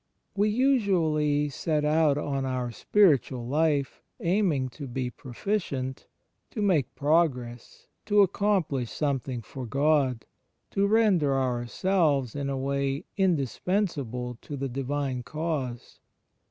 We usually set out on our spiritual life, aiming to be proficient, to make progress, to accomplish something for God, to render ourselves, in a way, indispensable to the Divine Cause.